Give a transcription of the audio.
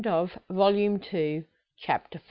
Volume Two, Chapter V.